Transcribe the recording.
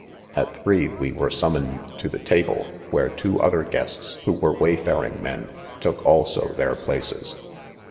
( 6 ) At three we were summoned to the table, where two other guests, who were wayfaring men, took also their places.